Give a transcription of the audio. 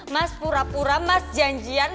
mas pura pura mas janjian